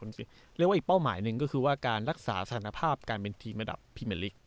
เรียกว่าอีกเป้าหมายนึงก็คือว่าการรักษาสถานภาพการเป็นทีมคำสรรค์๒๐๒๐